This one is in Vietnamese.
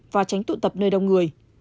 và tránh tụ tập nơi đông người